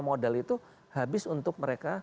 modal itu habis untuk mereka